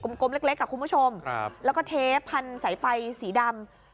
กลมเล็กเล็กอ่ะคุณผู้ชมครับแล้วก็เทปพันสายไฟสีดำ